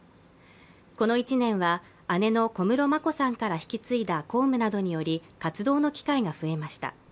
この１年は姉の小室眞子さんから引き継いだ公務などにより活動の機会が増えました。